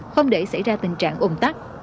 không để xảy ra tình trạng ồn tắc